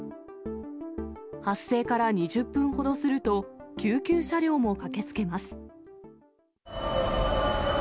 発生から２０分ほどすると、救急車両も駆けつけます。